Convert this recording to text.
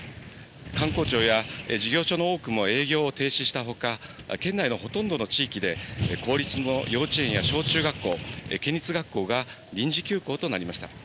官公庁や事業所の多くも営業を停止したほか、県内のほとんどの地域で、公立の幼稚園や小中学校、県立学校が臨時休校となりました。